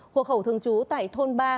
hộ khẩu thường trú tại thôn ba